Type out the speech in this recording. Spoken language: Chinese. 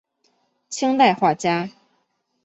清代画家。